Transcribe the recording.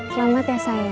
selamat ya sayang